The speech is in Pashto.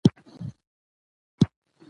په رښتیا چې غرونه هم